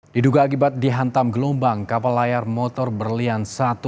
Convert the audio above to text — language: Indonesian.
diduga akibat dihantam gelombang kapal layar motor berlian satu